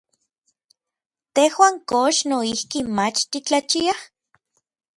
¿Tejuan kox noijki mach titlachiaj?